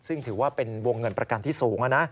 ซึ่งถือว่าเป็นวงเงินประกันที่สูง